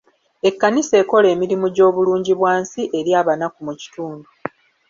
Ekkanisa ekola emirimu gy'obulungi bwansi eri abanaku mu kitundu.